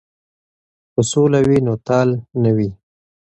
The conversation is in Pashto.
که سوله وي نو تال نه وي.